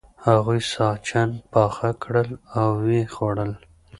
هغوی ساسچن پاخه کړل او و یې خوړل.